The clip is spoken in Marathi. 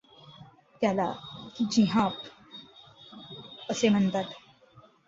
त्याला ज़िहाफ असे म्हणतात.